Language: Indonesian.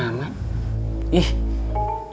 ibu mah meniperhitungan